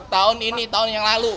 tahun ini tahun yang lalu